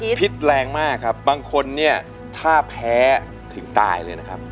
พิษแรงมากครับบางคนเนี่ยถ้าแพ้ถึงตายเลยนะครับ